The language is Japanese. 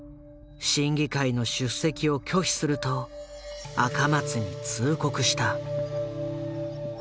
審議会の出席を拒否すると赤松に通告した。